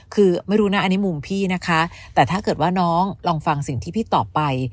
คือไม่รู้นะอันนี้มุมพี่นะคะแต่ถ้าเกิดว่าน้องลองฟังสิ่งที่พี่ตอบไป